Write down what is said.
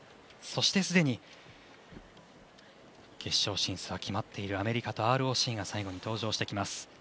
そしてすでに決勝進出が決まっているアメリカとＲＯＣが最後に登場します。